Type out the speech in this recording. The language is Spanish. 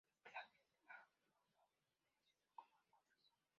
Su pelaje es lanudo, denso y de color cobrizo.